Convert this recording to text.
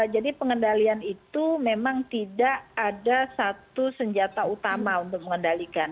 jadi pengendalian itu memang tidak ada satu senjata utama untuk mengendalikan